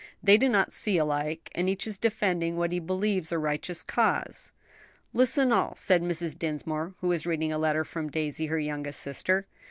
They do not see alike, and each is defending what he believes a righteous cause." "Listen all," said Mrs. Dinsmore, who was reading a letter from Daisy, her youngest sister.